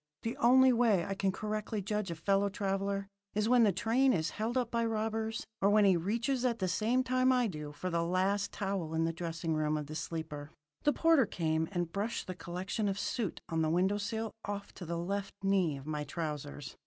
The only way I can correctly judge a fellow traveller is when the train is held up by robbers, or when he reaches at the same time I do for the last towel in the dressing room of the sleeper. The porter came and brushed the collection of soot on the window sill off to the left knee of my trousers.